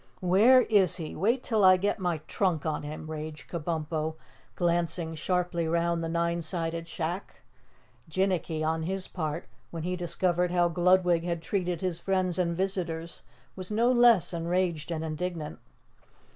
"Where is he? Wait till I get my trunk on him," raged Kabumpo, glancing sharply round the nine sided shack. Jinnicky, on his part, when he discovered how Gludwig had treated his friends and visitors, was no less enraged and indignant.